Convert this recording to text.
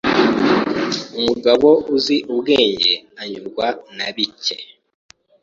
Umugabo uzi ubwenge anyurwa na bike!